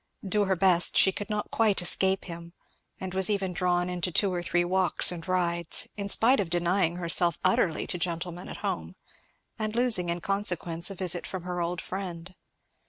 Do her best she could not quite escape him, and was even drawn into two or three walks and rides; in spite of denying herself utterly to gentlemen at home, and losing in consequence a visit from her old friend.